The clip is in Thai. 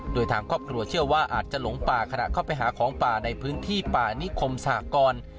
โดยทางครอบครัวเชื่อว่าอาจจะหลงป่าขณะเข้าไปหาของป่าในพื้นที่ป่านิคมสหกร